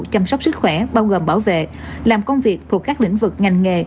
chăm sóc sức khỏe bao gồm bảo vệ làm công việc thuộc các lĩnh vực ngành nghề